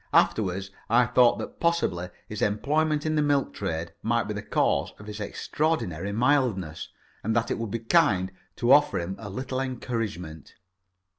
Afterwards I thought that possibly his employment in the milk trade might be the cause of his extraordinary mildness, and that it would be kind to offer him a little encouragement.